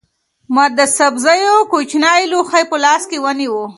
ما د سبزیو کوچنی لوښی په لاس کې ونیو.